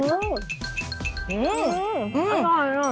อื้ออื้ออร่อยเลย